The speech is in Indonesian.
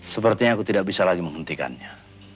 sepertinya aku tidak bisa lagi menghentikannya